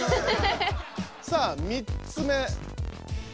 さあ３つ目。